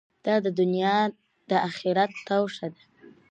دا دؤنیا د آخرت توښه ده.